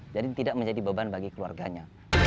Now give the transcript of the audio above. jadi tidak menjadi beban bagi keluarganya